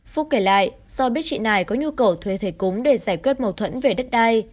phúc kể lại do biết chị này có nhu cầu thuê thầy cúng để giải quyết mâu thuẫn về đất đai